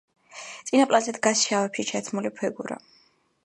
წინა პლანზე დგას შავებში ჩაცმული ფიგურა.